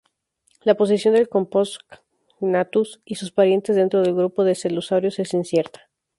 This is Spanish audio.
La posición del "Compsognathus" y sus parientes dentro del grupo de celurosaurios es incierta.